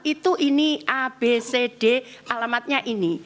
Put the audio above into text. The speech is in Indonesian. itu ini abcd alamatnya ini